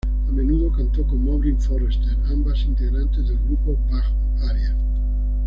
A menudo cantó con Maureen Forrester, ambas integrantes del grupo Bach Aria.